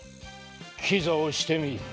跪座をしてみい。